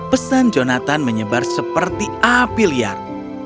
pesan jonathan menyebar seperti api liar